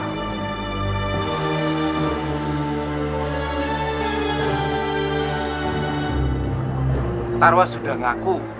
star wars sudah mengaku